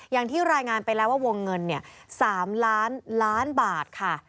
อย่างที่รายงานไปแล้วว่าวงเงิน๓ล้านล้านบาทค่ะ